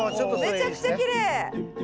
めちゃくちゃきれい。